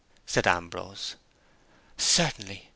said Ambrose. "Certainly!"